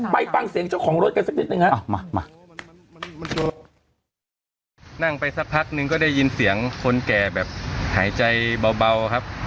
ไปฟังเสียงเจ้าของรถกันสักนิดนึงฮะนั่งไปสักพักนึงก็ได้ยินเสียงคนแก่แบบหายใจเบาครับ